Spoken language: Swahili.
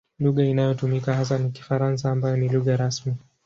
Lugha inayotumika hasa ni Kifaransa ambayo ni lugha rasmi.